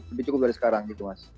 lebih cukup dari sekarang gitu mas